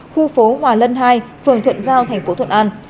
khu phố hòa lân hai phường thuận giao tp thuận an